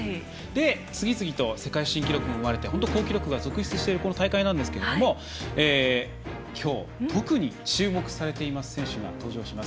次々と世界新記録が生まれて好記録が続出しているこの大会なんですが今日、特に注目されている選手が登場します。